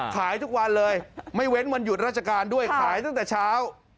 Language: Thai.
ขายทุกวันเลยไม่เว้นวันหยุดราชการด้วยขายตั้งแต่เช้า